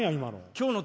今の？